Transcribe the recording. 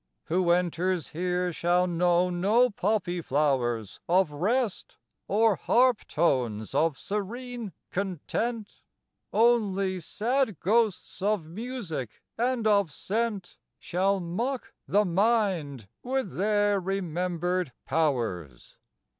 Who enters here shall know no poppyflowers Of Rest, or harp tones of serene Content; Only sad ghosts of music and of scent Shall mock the mind with their remembered powers.